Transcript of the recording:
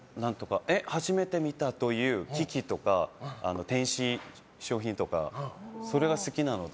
初めて見たという機器とか電子商品とか、それが好きなので。